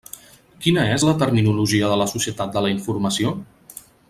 Quina és la terminologia de la societat de la informació?